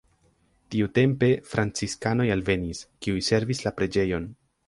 Tiutempe franciskanoj alvenis, kiuj servis la preĝejon.